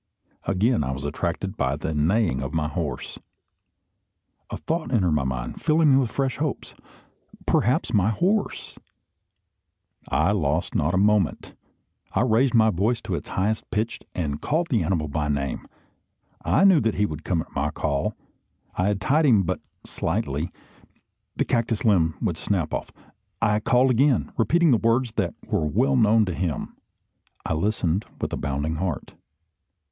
Again I was attracted by the neighing of my horse. A thought entered my mind, filling me with fresh hopes. "Perhaps my horse " I lost not a moment. I raised my voice to its highest pitch, and called the animal by name. I knew that he would come at my call. I had tied him but slightly. The cactus limb would snap off. I called again, repeating words that were well known to him. I listened with a bounding heart.